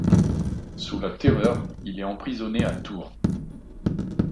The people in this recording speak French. Sous la Terreur, il est emprisonné à Tours.